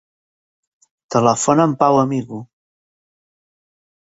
Telefona al Pau Amigo.